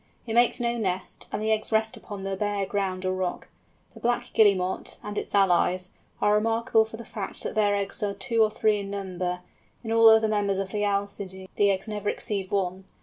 It makes no nest, and the eggs rest upon the bare ground or rock. The Black Guillemot, and its allies, are remarkable for the fact that their eggs are two or three in number; in all other members of the Alcidæ the eggs never exceed one.